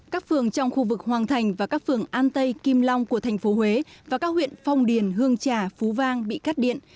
các phường trong khu vực hoàng thành và các phường an tây kim long của thành phố huế và các huyện phong điền hương trà phú vang bị cắt điện